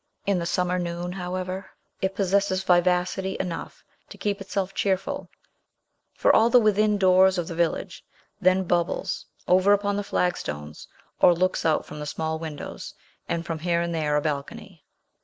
In the summer noon, however, it possesses vivacity enough to keep itself cheerful; for all the within doors of the village then bubbles over upon the flagstones, or looks out from the small windows, and from here and there a balcony.